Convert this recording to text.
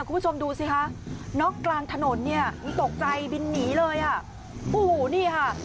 คุณผู้ชมดูสิคะน็อกกลางถนนเนี่ยตกใจบินหนีเลยอ่ะโอ้โหนี่ค่ะ